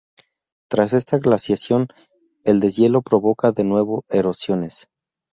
Tras esta glaciación, el deshielo provoca de nuevo erosiones.